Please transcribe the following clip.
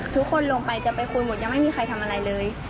ทุกคนลงไปจะไปคุยหมดยังไม่มีใครทำอะไรเลย